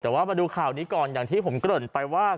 แต่ว่ามาดูข่าวนี้ก่อนอย่างที่ผมเกริ่นไปว่า